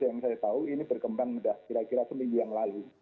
yang saya tahu ini berkembang sudah kira kira seminggu yang lalu